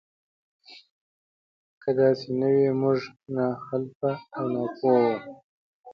که داسې نه وي موږ ناخلفه او ناپوهه وو.